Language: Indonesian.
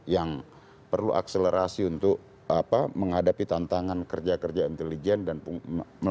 yang perlu akselerasi untuk menghadapi tantangan kerja kerja intelijen dan pemerintah